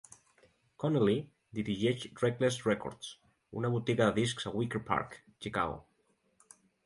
Connelly dirigeix Reckless Records, una botiga de discs a Wicker Park, Chicago.